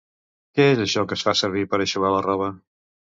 Què és això que es fa servir per eixugar la roba?